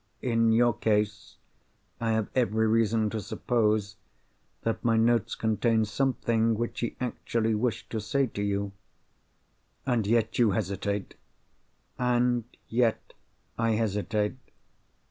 In your case, I have every reason to suppose that my notes contain something which he actually wished to say to you." "And yet, you hesitate?" "And yet, I hesitate.